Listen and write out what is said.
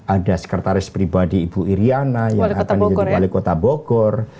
ada sekretaris pribadi ibu iryana yang akan jadi wali kota bogor